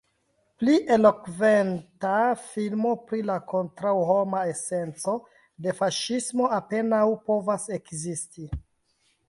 Pli elokventa filmo pri la kontraŭhoma esenco de faŝismo apenaŭ povas ekzisti.